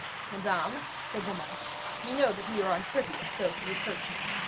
'Madam,' said Beaumains, 'ye know that ye are uncourteous so to reproach me.